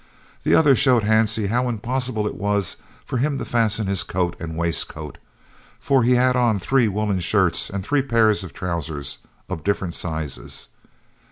The other showed Hansie how impossible it was for him to fasten his coat and waistcoat, for he had on three woollen shirts and three pairs of trousers, of different sizes.